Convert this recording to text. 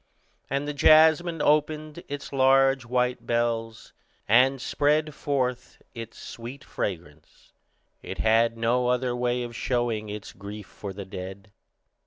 And the jasmine opened its large white bells, and spread forth its sweet fragrance; it had no other way of showing its grief for the dead.